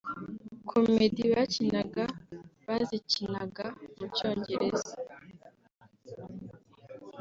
Comedy bakinaga bazikinaga mu cyongereza